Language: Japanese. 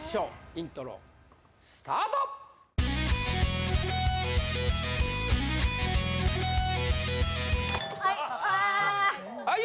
イントロスタートあっ！